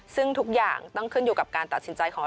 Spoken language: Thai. ซึ่งทุกอย่างต้องขึ้นอยู่กับการตัดสินใจของ